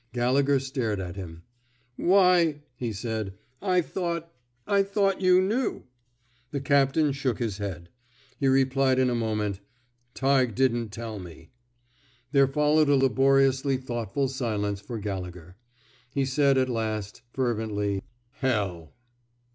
Gallegher stared at him. Why! '' he said. I thought — I thought you knew." The captain shook his head. He replied in a moment: Tighe didn't tell me." There followed a laboriously thoughtful silence for Gallegher. He said, at last, fervently: Hell!"